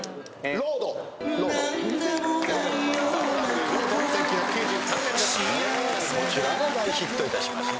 『ロード』こちらも大ヒットいたしました。